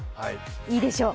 いいでしょう。